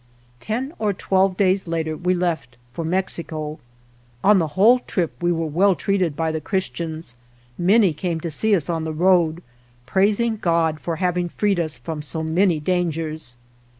Ten or twelve days later we left for Mexico. On the whole trip we were well treated by the Christians ; many came to see us on the road, praising God for having freed us from so many dangers.